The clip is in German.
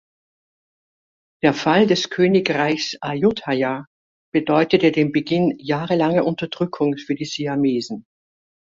Der Fall des Königreichs Ayutthaya bedeutete den Beginn jahrelanger Unterdrückung für die Siamesen.